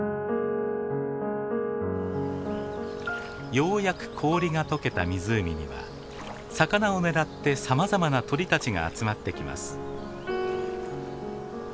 ようやく氷が解けた湖には魚を狙ってさまざまな鳥たちが集まってきます。